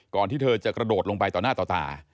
ที่เธอจะกระโดดลงไปต่อหน้าต่อตา